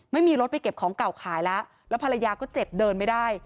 ไม่มีรถไปเก็บของเก่าขายแล้วแล้วภรรยาก็เจ็บเดินไม่ได้